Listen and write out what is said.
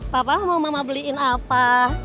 papa mau mama beliin apa